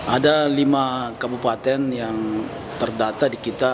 ada lima kabupaten yang terdata di kita